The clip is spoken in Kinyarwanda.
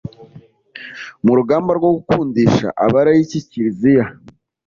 mu rugamba rwo gukundisha abalayiki kiliziya